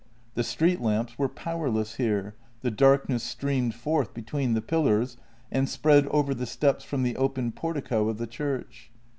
The street lamps were powerless here, the darkness streamed forth between the pillars, and spread over the steps from the open portico of the church.